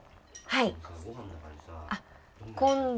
はい。